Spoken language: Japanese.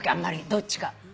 どっちか。